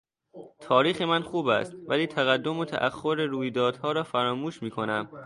تاریخ من خوب است ولی تقدم و تاخر رویدادها را فراموش میکنم.